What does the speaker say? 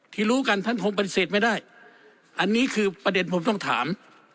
รู้กันท่านคงปฏิเสธไม่ได้อันนี้คือประเด็นผมต้องถาม